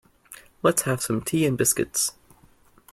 Let's have some tea and biscuits.